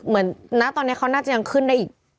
เหมือนนะตอนนี้เขาน่าจะยังขึ้นได้อีก